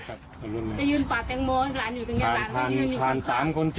จะยืนปากแปลงโม้หลานอยู่กันไง